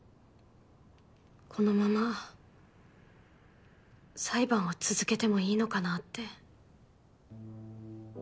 このまま裁判を続けてもいいのかなって。